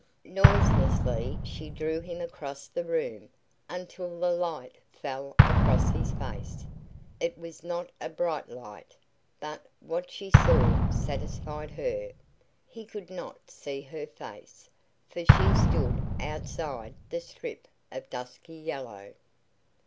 Noiselessly she drew him across the room until the light fell across his face. It was not a bright light, but what she saw satisfied her. He could not see her face, for she stood outside the strip of dusky yellow.